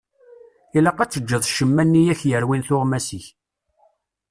Ilaq ad teǧǧeḍ ccemma-nni i ak-yerwin tuɣmas-ik.